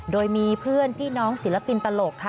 โดยมีเพื่อนพี่น้องศิลปินตลกค่ะ